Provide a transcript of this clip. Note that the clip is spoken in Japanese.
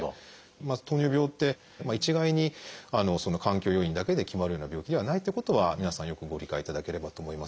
糖尿病って一概に環境要因だけで決まるような病気ではないってことは皆さんよくご理解いただければと思います。